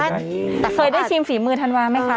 แต่เคยได้ชิมฝีมือธันวาไหมคะ